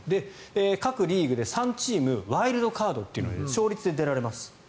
各リーグで３チームワイルドカードというのに勝率で出られます。